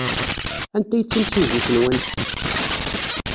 Anta ay d timsujjit-nwent?